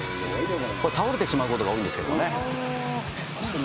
倒れてしまうことが多いんですけれどもね。